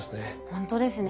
ほんとですね。